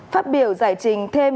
phát biểu giải trình thêm